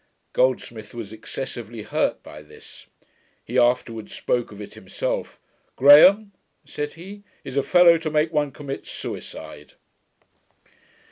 Goldsmith was excessively hurt by this. He afterwards spoke of it himself. 'Graham,' said he, 'is a fellow to make one commit suicide.'